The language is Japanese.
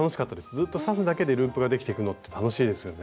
ずっと刺すだけでループができてくのって楽しいですよね。